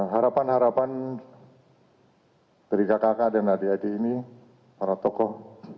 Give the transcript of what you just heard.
harapan harapan dari kakak kakak dan adik adik ini para tokoh